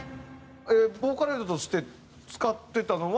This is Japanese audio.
ボーカロイドとして使ってたのは。